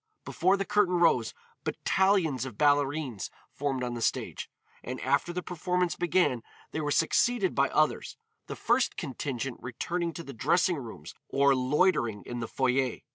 Before the curtain rose, battalions of ballerines formed on the stage, and after the performance began they were succeeded by others, the first contingent returning to the dressing rooms or loitering in the foyer.